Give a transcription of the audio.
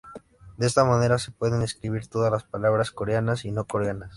De esta manera se pueden escribir todas las palabras coreanas y no coreanas.